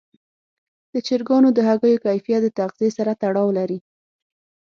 د چرګانو د هګیو کیفیت د تغذیې سره تړاو لري.